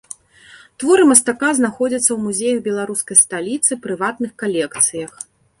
Творы мастака знаходзяцца ў музеях беларускай сталіцы, прыватных калекцыях.